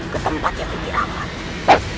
ketempat yang kecil